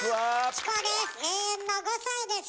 チコです